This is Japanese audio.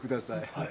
はい。